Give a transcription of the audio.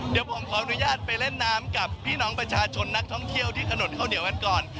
เดี๋ยวผมขออนุญาตไปเล่นน้ำกับพี่น้องประชาชนนักท่องเที่ยวที่ถนนข้าวเหนียวกันก่อน